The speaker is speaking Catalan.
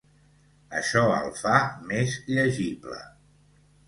Això el fa més llegible.